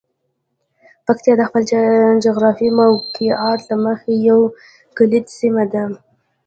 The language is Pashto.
پکتیا د خپل جغرافیايي موقعیت له مخې یوه کلیدي سیمه ده.